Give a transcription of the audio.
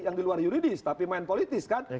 yang diluar yuridis tapi main politis kan